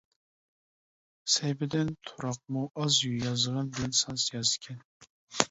-سەيپىدىن تۇراقمۇ ئاز يازغان بىلەن ساز يازىدىكەن.